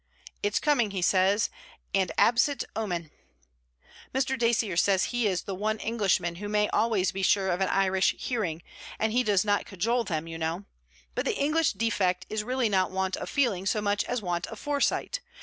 'It is coming, he says; and absit omen!' 'Mr. Dacier says he is the one Englishman who may always be sure of an Irish hearing; and he does not cajole them, you know. But the English defect is really not want of feeling so much as want of foresight.